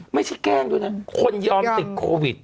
ไม่ใช่แกล้งดูนะคนยอมติดโควิด